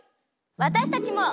わたしたちも。